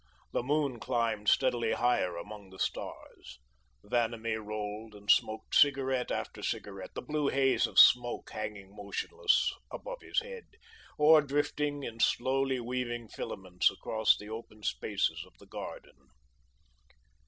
The moon climbed steadily higher among the stars. Vanamee rolled and smoked cigarette after cigarette, the blue haze of smoke hanging motionless above his head, or drifting in slowly weaving filaments across the open spaces of the garden.